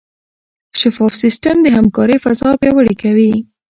شفاف سیستم د همکارۍ فضا پیاوړې کوي.